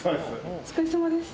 お疲れさまです